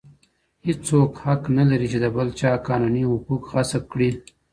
هیڅوک حق نه لري چي د بل چا قانوني حقوق غصب کړي.